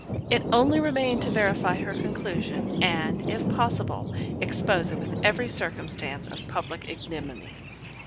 It only remained to verify her conclusion, and, if possible, expose it with every circumstance of public ignominy.